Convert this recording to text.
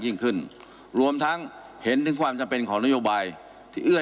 ยิ่งขึ้นรวมทั้งเห็นถึงความจำเป็นของนโยบายที่เอื้อ